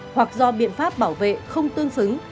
hoặc do biện pháp bảo vệ không tương xứng